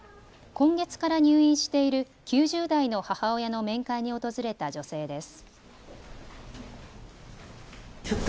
今月から入院している９０代の母親の面会に訪れた女性です。